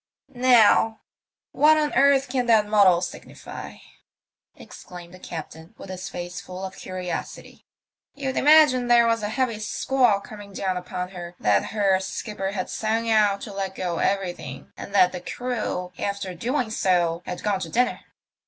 "Now, what on earth can that muddle signify?" exclaimed the captain, with his face full of curiosity. " You'd imagine there was a heavy squall coming down upon her, that her skipper had sung out to let go everything, and that the crew, after doing so, had gone to dinner.